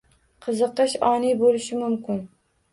Qiziqish oniy boʻlishi mumkin.